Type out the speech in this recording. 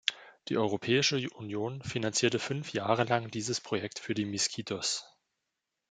Die Europäische Union finanzierte fünf Jahre lang dieses Projekt für die Misquitos.